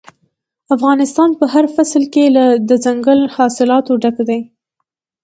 افغانستان په هر فصل کې له دځنګل حاصلاتو ډک دی.